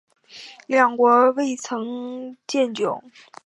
两国未曾建交。